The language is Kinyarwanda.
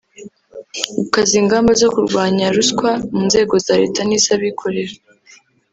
Gukaza ingamba zo kurwanya ruswa mu nzego za Leta n’iz’abikorera